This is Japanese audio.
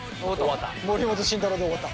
森本慎太郎で終わった。